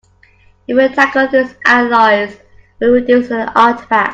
If you tackled these outliers that would reduce the artifacts.